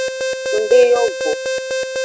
Ndeyo go.